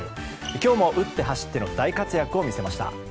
今日も打って走っての大活躍を見せました。